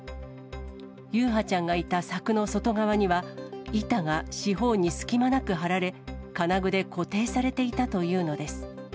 優陽ちゃんがいた柵の外側には、板が四方に隙間なく張られ、金具で固定されていたというのです。